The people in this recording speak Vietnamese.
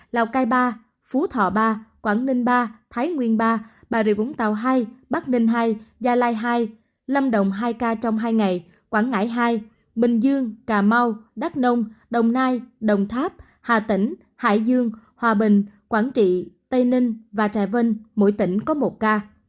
lào cai ba phú thọ ba quảng ninh ba thái nguyên ba bà rịa vũng tàu hai bắc ninh hai gia lai hai lâm đồng hai ca trong hai ngày quảng ngãi hai bình dương cà mau đắk nông đồng nai đồng tháp hà tĩnh hải dương hòa bình quảng trị tây ninh và trà vân mỗi tỉnh có một ca